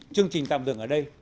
chương trình tạm dừng ở đây